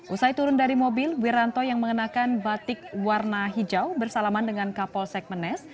usai turun dari mobil wiranto yang mengenakan batik warna hijau bersalaman dengan kapolsek menes